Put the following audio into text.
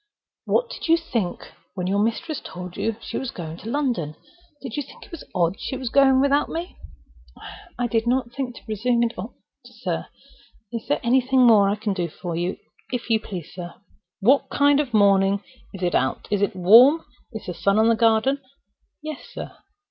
"What did you think when your mistress told you she was going to London? Did you think it odd she was going without me?" "I did not presume to think it odd, sir.—Is there anything more I can do for you, if you please, sir?" "What sort of a morning is it out? Is it warm? Is the sun on the garden?" "Yes, sir."